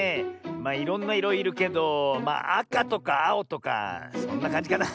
まあいろんないろいるけどあかとかあおとかそんなかんじかな。